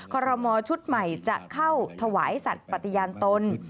ขอรมอชุดใหม่จะเข้าถวายสัตว์ปฏิญาณตน